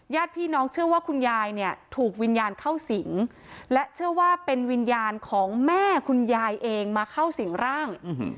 ญาติพี่น้องเชื่อว่าคุณยายเนี่ยถูกวิญญาณเข้าสิงและเชื่อว่าเป็นวิญญาณของแม่คุณยายเองมาเข้าสิ่งร่าง